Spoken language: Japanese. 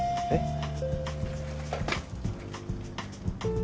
えっ？